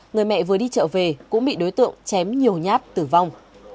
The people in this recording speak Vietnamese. người mẹ vừa đi chợ về cũng bị đối tượng chém nhiều nhát tử vong